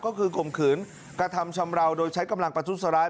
ก็คือข่มขืนกระทำชำราวโดยใช้กำลังประทุษร้าย